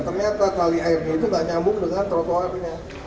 ternyata tali airnya itu tidak nyambung dengan trotoarnya